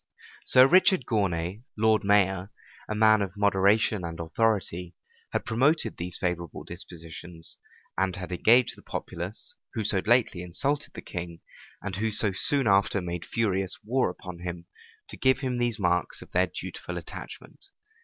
[*] Sir Richard Gournay, lord mayor, a man of moderation and authority, had promoted these favorable dispositions, and had engaged the populace, who so lately insulted the king, and who so soon after made furious war upon him, to give him these marks of their dutiful attachment.